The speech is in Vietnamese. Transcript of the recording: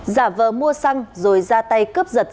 giả vờ mua xăng rồi ra tay cướp giật